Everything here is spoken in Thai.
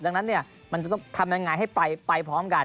ดังนั้นมันจะต้องทำยังไงให้ไปพร้อมกัน